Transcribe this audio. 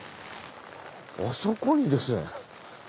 あそこにですね